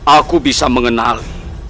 aku bisa mengenali